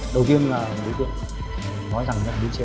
đầu tiên là một đối tượng nói rằng là ở biết tre